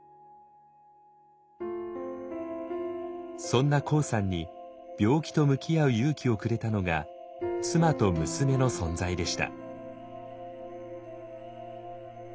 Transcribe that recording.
そんなＫＯＯさんに病気と向き合う勇気をくれたのが妻と娘の存在でした。